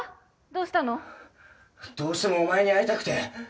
どうしてもお前に会いたくて！